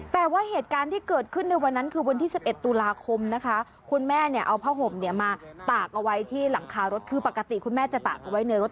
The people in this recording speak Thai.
แต่ว่าเหตุการณ์ที่เกิดขึ้นในวันนั้นคือวันที่๑๑ตุลาคมนะคะคุณแม่เนี่ยเอาผ้าห่มเนี่ยมาตากเอาไว้ที่หลังคารถคือปกติคุณแม่จะตากเอาไว้ในรถ